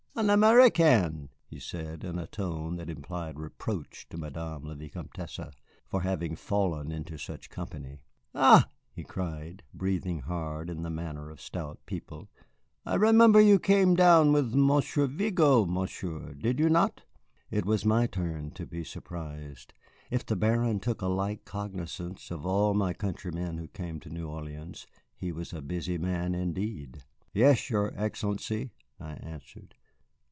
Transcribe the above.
"An American!" he said, in a tone that implied reproach to Madame la Vicomtesse for having fallen into such company. "Ah," he cried, breathing hard in the manner of stout people, "I remember you came down with Monsieur Vigo, Monsieur, did you not?" It was my turn to be surprised. If the Baron took a like cognizance of all my countrymen who came to New Orleans, he was a busy man indeed. "Yes, your Excellency," I answered.